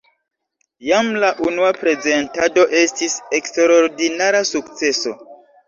Jam la unua prezentado estis eksterordinara sukceso.